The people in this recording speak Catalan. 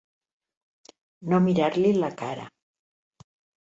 No mirar-li la cara.